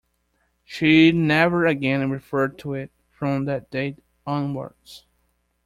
She never again referred to it, from that day onwards.